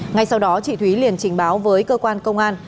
ngay sau đó chị thúy liền trình báo với cơ quan công an